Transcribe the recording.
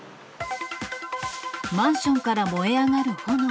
マンションから燃え上がる炎。